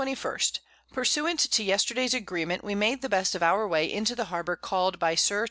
_ Pursuant to Yesterday's Agreement we made the best of our Way into the Harbour call'd by Sir _Tho.